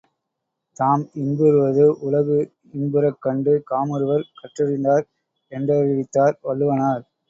தாம் இன்புறுவது உலகு இன்புறக் கண்டு காமுறுவர் கற்றறிந் தார் என்றறிவித்தார் வள்ளுவனார்.